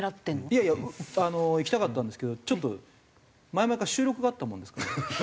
いやいやあの行きたかったんですけどちょっと前々から収録があったもんですから。